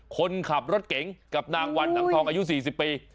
คนขับรถเก๋งกับนางวันหนังทองอายุ๔๐ปี